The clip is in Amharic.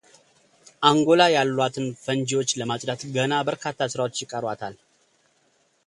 አንጎላ ያሏትን ፈንጂዎች ለማጽዳት ገና በርካታ ሥራዎች ይቀሯታል።